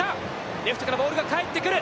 レフトからボールが返ってくる。